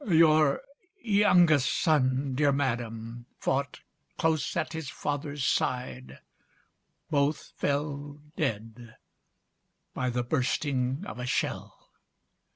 "Your youngest son, dear madam, fought Close at his father's side; both fell Dead, by the bursting of a shell."